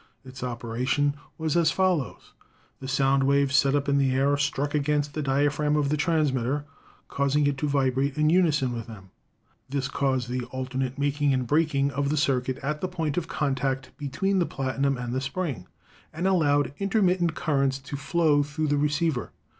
Its operation was as follows : The sound waves set up in the air struck against the diaphragm of the transmitter, causing it to vibrate in unison with them. This caused the alternate making and breaking of the circuit at the point of contact between the platinum and the spring, and allowed intermittent cur V Fig. 31 Circuit of Reis Telephone. (From Miller's American Telephone Practice.) rents to flow through the receiver.